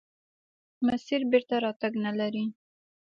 مسیر بېرته راتګ نلري.